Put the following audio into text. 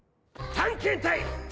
探検隊！